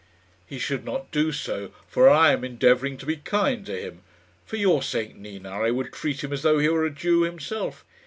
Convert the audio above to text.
"He should not do so, for I am endeavouring to be kind to him. For your sake, Nina, I would treat him as though he were a Jew himself."